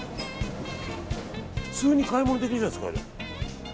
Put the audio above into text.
普通に買い物できるじゃないですか。